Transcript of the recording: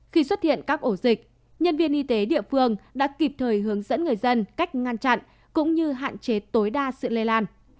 khi xuất hiện các ổ dịch nhân viên y tế địa phương đã kịp thời hướng dẫn người dân cách ngăn chặn cũng như hạn chế tối đa sự lây lan